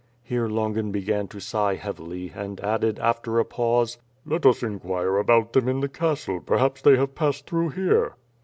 Here Longin began to sigh heavily and added, after a pause: "Let us inquire about them in the castle, perhaps they have passed through here."